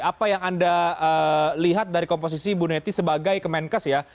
apa yang anda lihat dari komposisi bu neti sebagai kemenkes ya